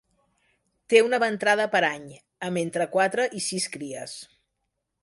Té una ventrada per any, amb entre quatre i sis cries.